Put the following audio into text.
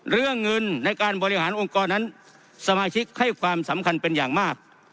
เรื่องเงินในการบริหารองค์กรนั้นสมาชิกให้ความสำคัญเป็นอย่างมาก